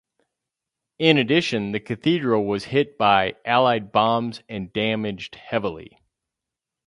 In addition, the cathedral was hit by Allied bombs and damaged heavily.